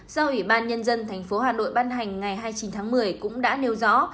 do ủy ban nhân dân tp hà nội ban hành ngày hai mươi chín tháng một mươi cũng đã nêu rõ